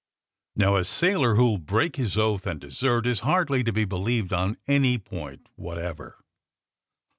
Now, a sailor who'll break his oath and desert is hardly to be believed on any point whatever."